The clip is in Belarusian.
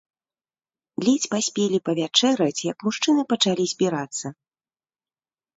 Ледзь паспелі павячэраць, як мужчыны пачалі збірацца.